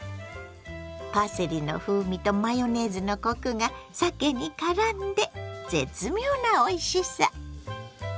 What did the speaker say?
パセリの風味とマヨネーズのコクがさけにからんで絶妙なおいしさ。